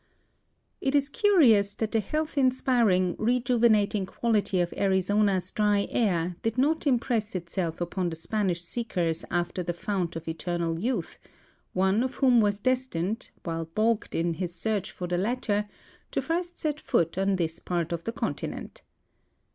It is curious that the health inspiring, rejuvenating quality of Arizona's dry air did not impress itself upon the Spanish seekers after the Fount of Eternal Youth, one of whom was destined, while balked in his search for the latter, to first set foot on this part of the continen|.